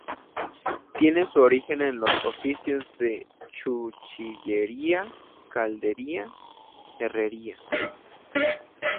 Tiene su origen en los oficios de cuchillería, calderería, herrería.